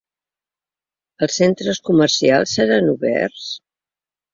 Els centres comercials seran oberts?